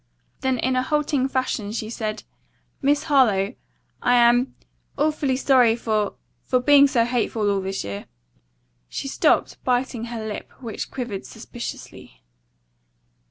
Then in a halting fashion she said: "Miss Harlowe, I am awfully sorry for for being so hateful all this year." She stopped, biting her lip, which quivered suspiciously.